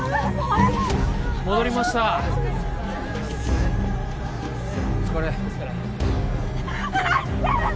戻りましたお疲れお疲れ離して！